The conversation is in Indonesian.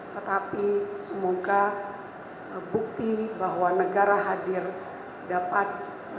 tetapi semoga bukti bahwa negara hadir dapat